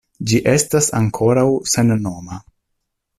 Ĝi estas ankoraŭ sennoma.